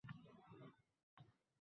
Qimorbozlar uchun